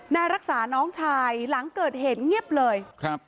รักษาน้องชายหลังเกิดเหตุเงียบเลยครับ